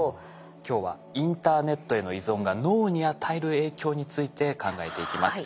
今日はインターネットへの依存が脳に与える影響について考えていきます。